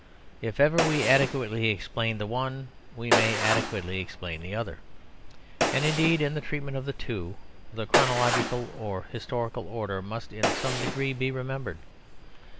If ever we adequately explain the one we may adequately explain the other. And indeed, in the treatment of the two, the chronological or historical order must in some degree be remembered.